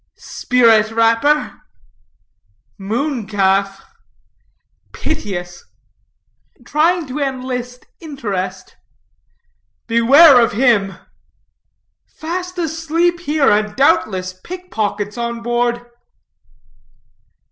"Spirit rapper." "Moon calf." "Piteous." "Trying to enlist interest." "Beware of him." "Fast asleep here, and, doubtless, pick pockets on board."